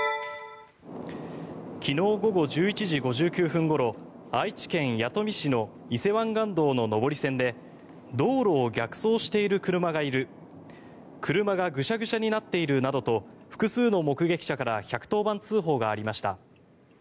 昨日午後１１時５９分ごろ愛知県弥富市の伊勢湾岸道の上り線で道路を逆走している車がいる車がぐしゃぐしゃになっているなどと複数の目撃者から１１０番通報がありました。